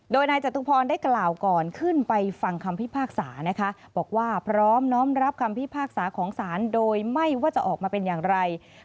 โดยนายจตุพรได้กล่าวก่อนขึ้นไปฟังคำพิพากษา